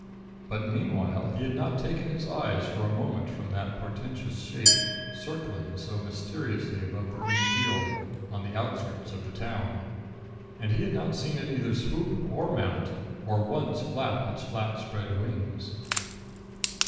But, meanwhile, he had not taken his eyes for a moment from that portentous shape circling so mysteriously above the green field on the outskirts of the town, and he had not seen it either swoop or mount or once flap its flat spread wings.